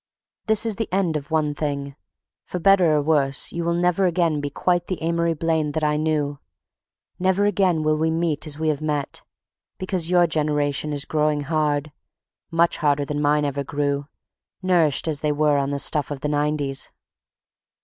This is the end of one thing: for better or worse you will never again be quite the Amory Blaine that I knew, never again will we meet as we have met, because your generation is growing hard, much harder than mine ever grew, nourished as they were on the stuff of the nineties.